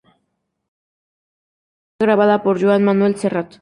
La primera versión fue grabada por Joan Manuel Serrat.